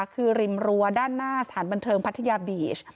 คือริมรั้วด้านหน้าสถานบันเทิงพัทยาบีช